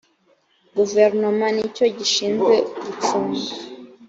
guverinoma ni cyo gishinzwe gucunga